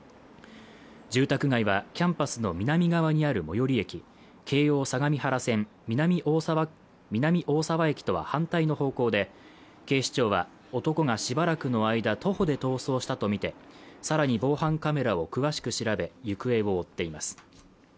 住宅街はキャンパスの南側にある最寄り駅京王相模原線南大沢駅とは反対の方向で警視庁は男がしばらくの間は徒歩で逃走したとみてさらに防犯カメラを詳しく調べ行方を追っています